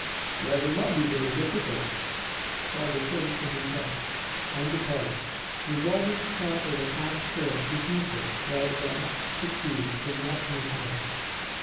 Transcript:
"That will not be very difficult," thought the king to himself, and departed, resolving to trample the cat's tail to pieces rather than not succeed in walking upon it.